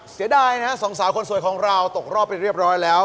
เสียดายนะฮะสองสาวคนสวยของเราตกรอบไปเรียบร้อยแล้ว